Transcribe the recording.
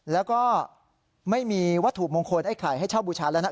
แล้วก็ไม่มีวัตถุมงคลไอ้ไข่ให้เช่าบูชาแล้วนะ